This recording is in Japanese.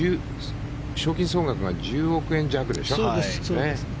賞金総額が１０億円弱でしょう。